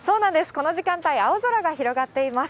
この時間帯、青空が広がっています。